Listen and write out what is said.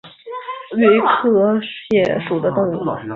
清亮泽蟹为溪蟹科泽蟹属的动物。